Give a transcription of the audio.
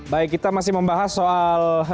baik kita masih membahas soal